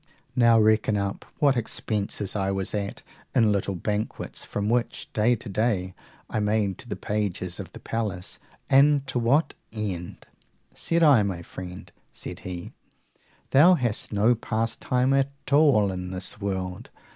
Now reckon up what expense I was at in little banquets which from day to day I made to the pages of the palace. And to what end? said I. My friend, said he, thou hast no pastime at all in this world.